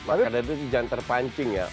makanya itu jangan terpancing ya